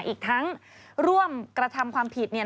อีกทั้งร่วมกระทำความผิด